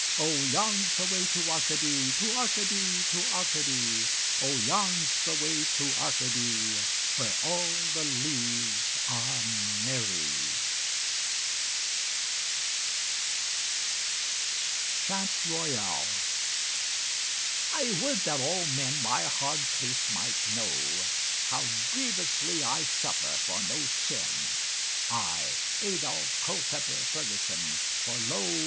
Oh, yon's the way to Arcady, To Arcady, to Arcady; Oh, yon's the way to Arcady, Where all the leaves are merry. Copyrighted by Charles Scribner's Sons. CHANT ROYAL I would that all men my hard case might know; How grievously I suffer for no sin: I, Adolphe Culpepper Ferguson, for lo!